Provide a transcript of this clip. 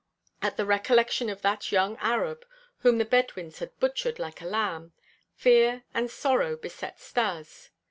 At the recollection of that young Arab, whom the Bedouins had butchered like a lamb, fear and sorrow beset Stas.